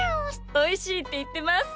おいしいっていってます。